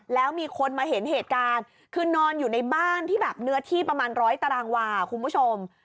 แล้วมีคนมาเห็นเหตุการณ์คือนอนอยู่ในบ้านที่แบบเนื้อที่ประมาณร้อยตารางวาคุณผู้ชม